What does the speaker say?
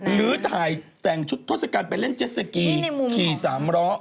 หรือถ่ายแต่งชุดทศกัณฐ์ไปเล่นเจ็ดสกีขี่สามล้อ